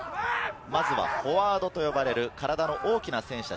まずはフォワードと呼ばれる体の大きな選手達。